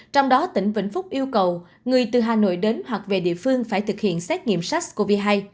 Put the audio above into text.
trong đó tỉnh vĩnh phúc yêu cầu người từ hà nội đến hoặc về địa phương phải thực hiện xét nghiệm sars cov hai